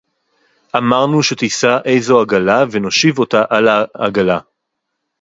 אָמַרְנוּ שֶׁתִּיסַּע אֵיזוֹ עֲגָלָה וְנוֹשִׁיב אוֹתָהּ עַל הָעֲגָלָה.